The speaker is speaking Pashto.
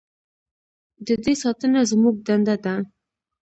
د دې ساتنه زموږ دنده ده